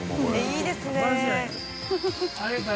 いいですね。